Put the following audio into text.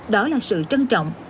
đó là sự trân trọng